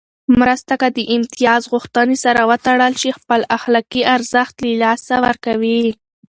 مرسته که د امتياز غوښتنې سره وتړل شي، خپل اخلاقي ارزښت له لاسه ورکوي.